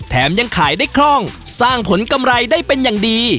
ยังขายได้คล่องสร้างผลกำไรได้เป็นอย่างดี